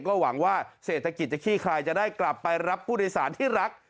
ก็หวังว่าเศรษฐกิจจะขี้คลายจะได้กลับไปรับผู้โดยสารที่รัก